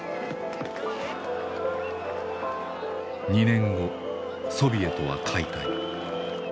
２年後ソビエトは解体。